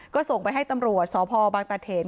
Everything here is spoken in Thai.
ก็ส่งไปให้ตำรวจสพบางตาเถน